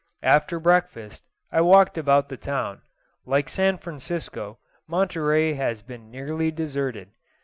After breakfast I walked about the town. Like San Francisco, Monterey has been nearly deserted.